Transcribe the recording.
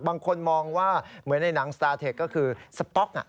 บางคนมองว่าเหมือนในหนังสตาร์เทคก็คือสป๊อก